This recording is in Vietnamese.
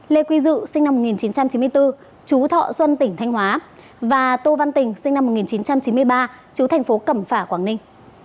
lê quy dự sinh năm một nghìn chín trăm chín mươi bốn chú thọ xuân tỉnh thanh hóa và tô văn tình sinh năm một nghìn chín trăm chín mươi ba chú thành phố cẩm phả quảng ninh